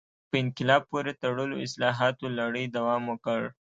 په انقلاب پورې تړلو اصلاحاتو لړۍ دوام وکړ.